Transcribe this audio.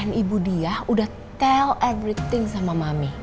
and ibu dia udah tell everything sama mami